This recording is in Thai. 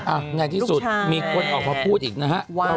อ่ะง่ายที่สุดมีคนออกมาพูดอีกนะฮะลูกชาย